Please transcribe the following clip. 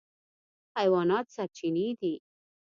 حیوانات سرچینې دي.